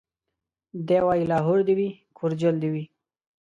دی وايي لاهور دي وي کورجل دي وي